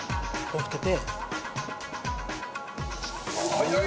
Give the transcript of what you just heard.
早い！